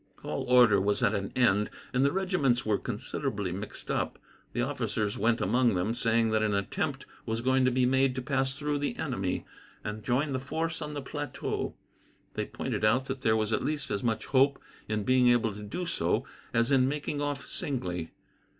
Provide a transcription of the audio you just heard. All order was at an end, and the regiments were considerably mixed up. The officers went among them, saying that an attempt was going to be made to pass through the enemy, and join the force on the plateau. They pointed out that there was at least as much hope in being able to do so as in making off singly.